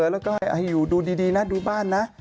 แล้วก็ให้อยู่ดูดีนะดูบ้านนะ